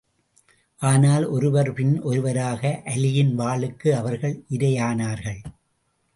ஆனால், ஒருவர் பின் ஒருவராக, அலியின் வாளுக்கு அவர்கள் இரையானார்கள்.